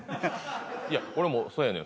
いや俺もそうやねん。